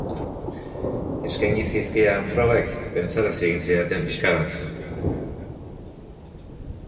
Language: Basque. Eskaini zizkidan frogek pentsarazi egin zidaten pixka bat.